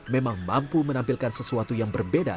memang mampu menampilkan sesuatu yang berbeda